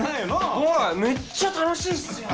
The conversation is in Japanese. はいめっちゃ楽しいっすよ。